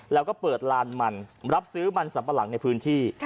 แล้วก็เปิดลานมันรับซื้อมันสัมปะหลังในพื้นที่